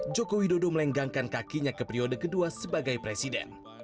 jokowi dodo melenggangkan kakinya ke periode kedua sebagai presiden